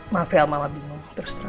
mafia mama bingung terus terang